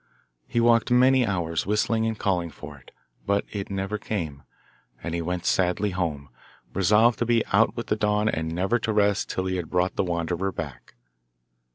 He walked many hours, whistling and calling for it, but it never came, and he went sadly home, resolved to be out with the dawn and never to rest till he had brought the wanderer back.